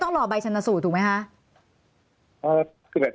ต้องรอถูกไหมฮะอ่าคือแบบนี้คือถ้าเรา